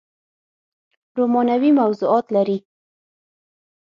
رومانوي موضوعات لري